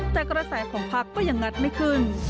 แต่กระแสของพักก็ยังงัดไม่ขึ้น